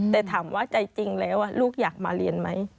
แต่ถามว่าใจจริงแล้วลูกอยากมาเรียนไหม